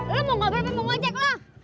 eh lu mau ngobrol apa mau ngajak lu